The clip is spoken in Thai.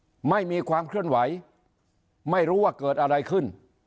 ตอนนี้เงียบสดิบไม่มีความเคลื่อนไหวไม่รู้ว่าเกิดอะไรขึ้น